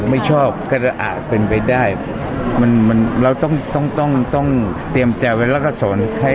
ไม่ชอบก็จะอาจเป็นไปได้มันมันเราต้องต้องต้องเตรียมใจไว้แล้วก็สอนให้